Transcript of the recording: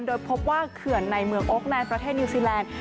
โดยพบว่าเขื่อนในเมืองโอ๊คแนนประเทศนิวซีแลนด์